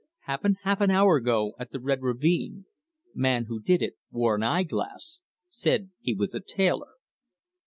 Happened half hour ago at the Red Ravine. Man who did it wore an eye glass said he was a tailor."